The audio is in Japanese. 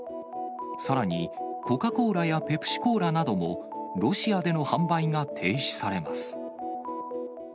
さらに、コカ・コーラやペプシコーラなども、ロシアでの販売が停止されます。